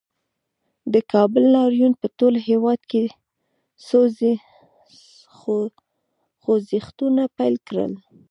د کابل لاریون په ټول هېواد کې خوځښتونه پیل کړل